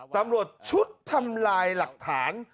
ตำรวจชุดทำลายหลักฐาน